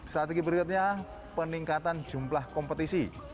strategi berikutnya peningkatan jumlah kompetisi